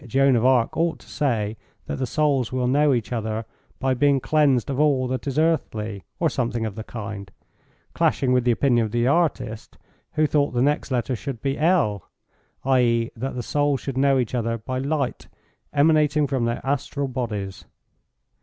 e., Joan of Arc ought to say that the souls will know each other by being cleansed of all that is earthly, or something of the kind, clashing with the opinion of the artist, who thought the next letter should be l, i.e., that the souls should know each other by light emanating from their astral bodies.